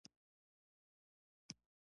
سوزانا له خپل خاوند او زوی سره کښتۍ ته پورته شول.